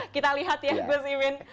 kita lihat ya gus iwin